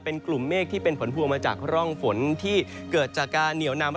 เป็นกลุ่มเมฆที่เป็นผลพวงมาจากร่องฝนที่เกิดจากการเหนียวนำ